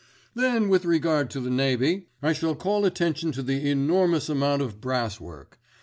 "Then with regard to the Navy, I shall call attention to the enormous amount of brass work.